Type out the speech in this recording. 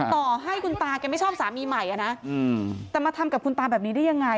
ต่อให้คุณตาแกไม่ชอบสามีใหม่นะแต่มาทำกับคุณตาแบบนี้ได้ยังไง